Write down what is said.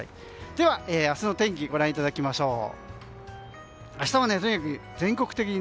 では、明日の天気をご覧いただきましょう。